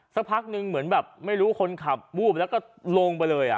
สักพักนึงเหมือนแบบไม่รู้คนขับวูบแล้วก็ลงไปเลย